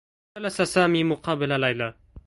جلس سامي مقابل ليلى